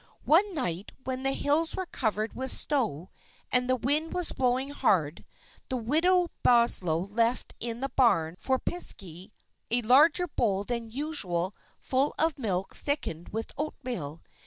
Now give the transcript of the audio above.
One night, when the hills were covered with snow, and the wind was blowing hard, the Widow Boslow left in the barn, for the Piskey, a larger bowl than usual full of milk thickened with oatmeal.